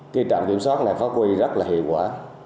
cái trạm kiểm soát này phát huy rất là hiệu quả